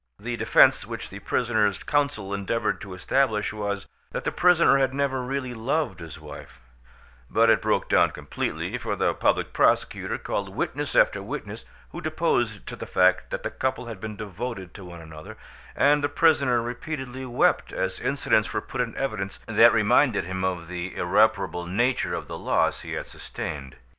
The defence which the prisoner's counsel endeavoured to establish was, that the prisoner had never really loved his wife; but it broke down completely, for the public prosecutor called witness after witness who deposed to the fact that the couple had been devoted to one another, and the prisoner repeatedly wept as incidents were put in evidence that reminded him of the irreparable nature of the loss he had sustained.